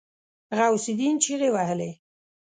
غوث الدين چيغې وهلې.